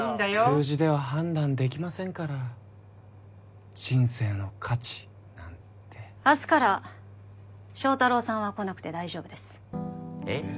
数字では判断できませんから人生の価値なんて明日から祥太郎さんは来なくて大丈夫ですえっ？